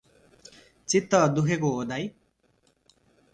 चित्त दुखेको हो दाई?